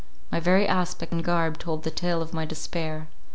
My very aspect and garb told the tale of my despair.